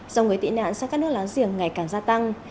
dòng người tị nạn sang các nước láng giềng ngày càng gia tăng